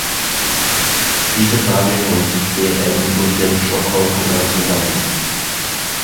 Diese Frage hängt sehr eng mit dem Stockholm-Programm zusammen.